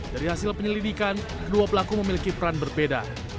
dari hasil penyelidikan kedua pelaku memiliki peran berbeda